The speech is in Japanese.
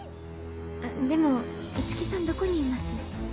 あっでも樹さんどこにいます？